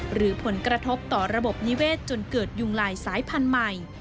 หรือผลกระทบต่อระบบนิเวศจนเกิดยุงลายสายพันธุ์ใหม่